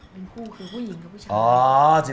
เป็นคู่คือผู้หญิงกับผู้ชาย